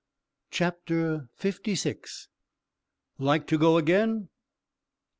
CHAPTER FIFTY SIX. LIKE TO GO AGAIN?